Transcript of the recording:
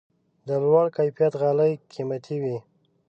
د لوړ کیفیت غالۍ قیمتي وي.